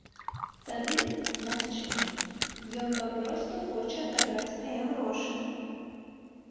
Тады, магчыма, ён папросту хоча адабраць мае грошы.